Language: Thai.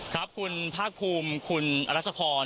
ครับคุณภาคภูมิคุณอรัชพร